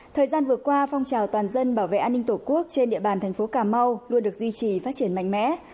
thời gian vừa qua phong trào toàn dân bảo vệ an ninh tổ quốc trên địa bàn thành phố cà mau luôn được duy trì phát triển mạnh mẽ